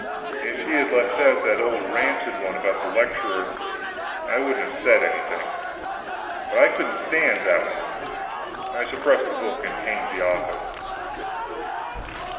If he had left out that old rancid one about the lecturer I wouldn't have said anything; but I couldn't stand that one. I suppressed the book and hanged the author.